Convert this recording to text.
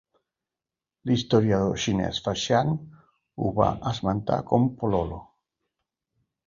L'historiador xinès Faxian ho va esmentar com Pololo.